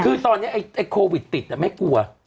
คือตอนนี้ไอ้โควิดติดไม่กลัว